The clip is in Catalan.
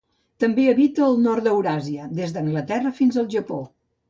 També habita el nord d'Euràsia, des d'Anglaterra fins al Japó.